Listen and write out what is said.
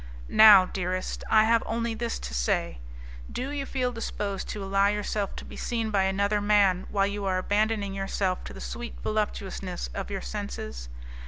"Now, dearest, I have only this to say. Do you feel disposed to allow yourself to be seen by another man while you are abandoning yourself to the sweet voluptuousness of your senses?